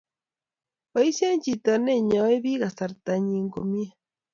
Boishei chito neinyoi biik kasarta nyi komnyei